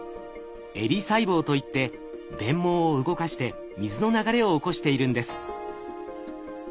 襟細胞といって鞭毛を動かして水の流れを起こしているんです。